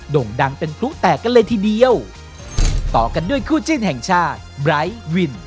่งดังเป็นพลุแตกกันเลยทีเดียวต่อกันด้วยคู่จิ้นแห่งชาติไบร์ทวิน